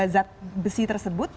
zat besi tersebut